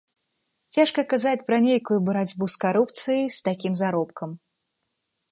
Цяжка казаць пра нейкую барацьбу з карупцыяй з такім заробкам.